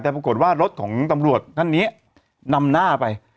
แต่ปรากฏว่ารถของตำรวจท่านนี้นำหน้าไป